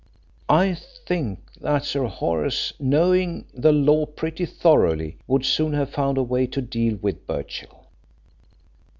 I think that Sir Horace, knowing the law pretty thoroughly, would soon have found a way to deal with Birchill.